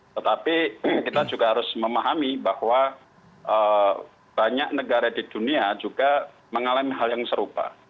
tetapi kita juga harus memahami bahwa banyak negara di dunia juga mengalami hal yang serupa